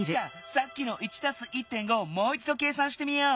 さっきの「１＋１．５」をもういちど計算してみよう。